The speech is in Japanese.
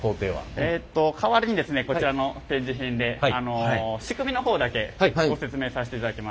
えっと代わりにですねこちらの展示品で仕組みの方だけご説明させていただきます。